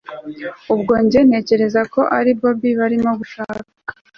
ubwo njye ntekereza ko ari bobi barimo gushaka